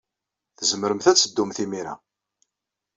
Tzemremt ad teddumt imir-a.